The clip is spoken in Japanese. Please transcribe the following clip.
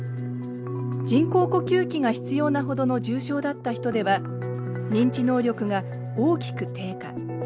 人工呼吸器が必要なほどの重症だった人では認知能力が大きく低下。